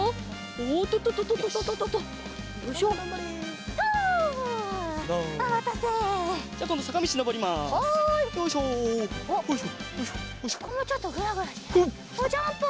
おっジャンプ！